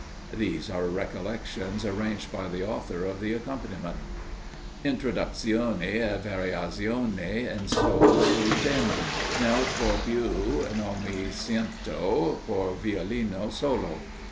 These are recollections arranged by the author of the accompaniment. "Introduzione e variazioni in sol sul tema, 'Nel cor più non mi sento' per Violino solo."